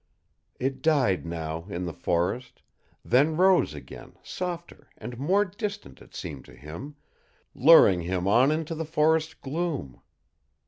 It died now in the forest then rose again, softer and more distant it seemed to him, luring him on into the forest gloom.